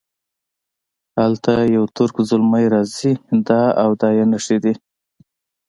هلته یو ترک زلمی راځي دا او دا یې نښې دي.